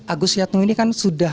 agus yatno ini kan sudah